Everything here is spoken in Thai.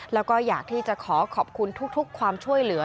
แล้วก็อยากที่จะขอขอบคุณทุกความช่วยเหลือ